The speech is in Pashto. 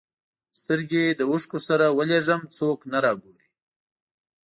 سترګي له اوښکو سره ولېږم څوک نه را ګوري